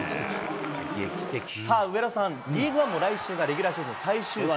さあ、上田さん、リーグワンも来週がレギュラーシーズン最終節。